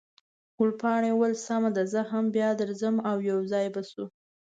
ګلپاڼې وویل، سمه ده، زه هم بیا درځم، او یو ځای به شو.